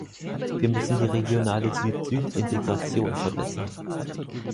Wir müssen die regionale Süd-Süd-Integration verbessern.